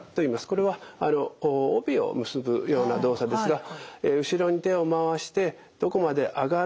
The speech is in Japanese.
これは帯を結ぶような動作ですが後ろに手を回してどこまで上がるか。